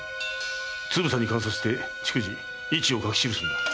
つぶさに観察して逐次位置を書き記すのだ。